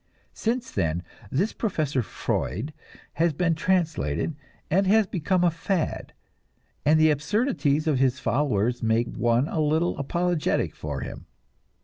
Since then this Professor Freud has been translated, and has become a fad, and the absurdities of his followers make one a little apologetic for him.